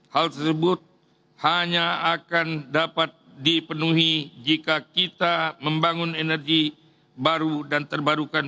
hal tersebut hanya akan dapat dipenuhi jika kita membangun energi baru dan terbarukan